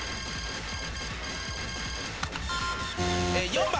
４番。